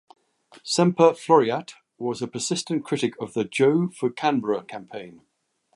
"Semper Floreat" was a persistent critic of the "Joh for Canberra" campaign.